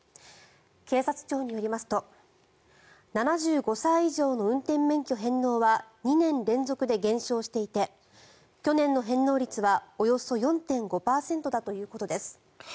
警察庁によりますと７５歳以上の運転免許返納は２年連続で減少していて去年の返納率はおよそ４．５％だということです。